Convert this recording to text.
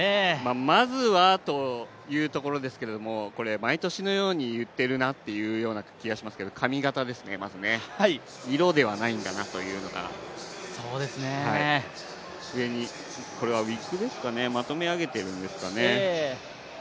まずはというところですけども毎年のようにいっているなという気がしますけど髪型ですね、まずは色ではないんだなというのが、上にこれはウイッグですかねまとめ上げているんですかね？